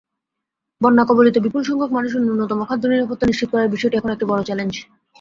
বন্যাকবলিত বিপুলসংখ্যক মানুষের ন্যূনতম খাদ্যনিরাপত্তা নিশ্চিত করার বিষয়টি এখন একটি বড় চ্যালেঞ্জ।